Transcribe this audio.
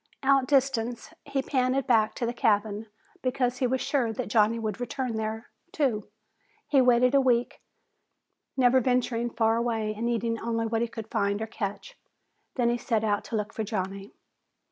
Outdistanced, he panted back to the cabin because he was sure that Johnny would return there, too. He waited a week, never venturing far away and eating only what he could find or catch. Then he set out to look for Johnny.